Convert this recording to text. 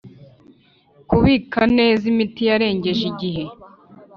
Kubika neza imiti yarengeje igihe